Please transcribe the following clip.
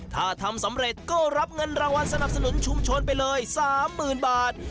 ถ้าทำสำเร็จก็รับเงินรางวัลสนับสนุนชุมชนไปเลย๓๐๐๐บาท